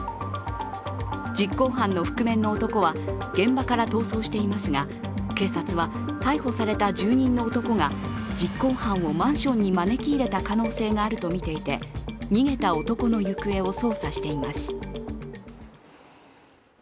実行犯の覆面の男は現場から逃走していますが、警察は逮捕された住人の男が実行犯をマンションに招き入れた可能性があるとみていて逃げた男の行方を捜査しています。